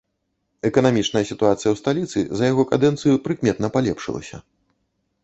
Эканамічная сітуацыя ў сталіцы за яго кадэнцыю прыкметна палепшылася.